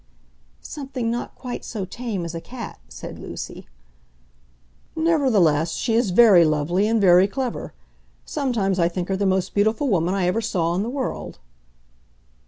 "Something not quite so tame as a cat," said Lucy. "Nevertheless she is very lovely, and very clever. Sometimes I think her the most beautiful woman I ever saw in the world."